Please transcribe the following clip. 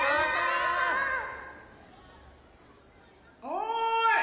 おい！